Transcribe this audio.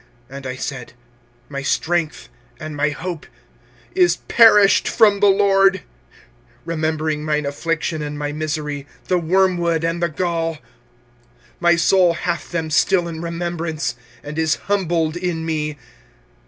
25:003:018 And I said, My strength and my hope is perished from the LORD: 25:003:019 Remembering mine affliction and my misery, the wormwood and the gall. 25:003:020 My soul hath them still in remembrance, and is humbled in me.